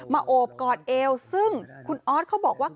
โอบกอดเอวซึ่งคุณออสเขาบอกว่า